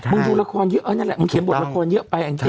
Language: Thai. ดูละครเยอะนั่นแหละมึงเขียนบทละครเยอะไปแองจี